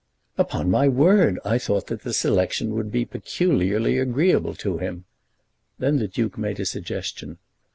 "Upon my word I thought that the selection would be peculiarly agreeable to him." Then the duke made a suggestion.